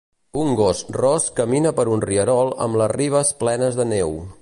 Un gos ros camina per un rierol amb les ribes plenes de neu.